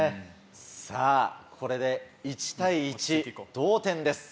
さぁこれで１対１同点です